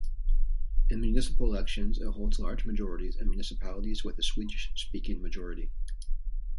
In municipal elections, it holds large majorities in municipalities with a Swedish-speaking majority.